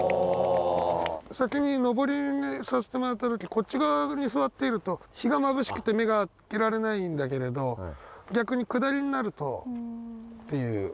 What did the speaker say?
先に上りにさせてもらった時こっち側に座っていると日がまぶしくて目が開けられないんだけれど逆に下りになるとっていう。